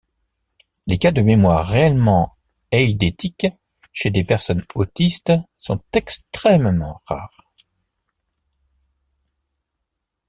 Les cas de mémoire réellement eidétique chez des personnes autistes sont extrêmement rares.